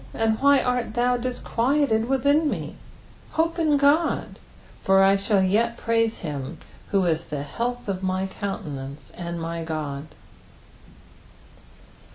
and why art thou disquieted within me ? hope in God ; for I shall yet praise him, who is the health of my countenance, and my God.